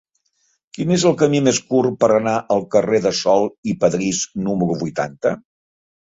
Quin és el camí més curt per anar al carrer de Sol i Padrís número vuitanta?